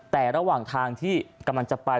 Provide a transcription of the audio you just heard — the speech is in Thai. แต่ระหว่างทางที่กำลังจะไป